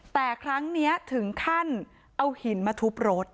แต่ครั้งนี้ถึงขั้นเอาหินมาทุบรถ